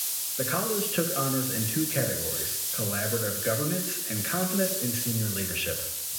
The college took honors in two categories, collaborative governance and confidence in senior leadership.